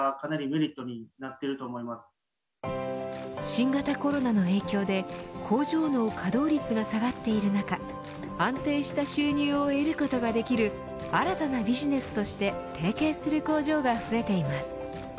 新型コロナの影響で工場の稼働率が下がっている中安定した収入を得ることができる新たなビジネスとして提携する工場が増えています。